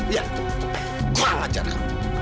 ya kurang ajar kamu